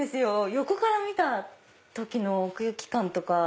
横から見た時の奥行き感とか。